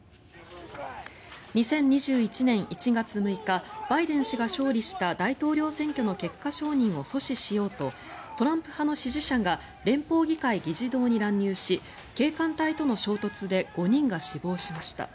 ２０２１年１月６日バイデン氏が勝利した大統領選挙の結果承認を阻止しようとトランプ派の支持者が連邦議会議事堂に乱入し警官隊との衝突で５人が死亡しました。